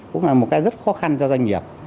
cũng là một cái rất khó khăn cho doanh nghiệp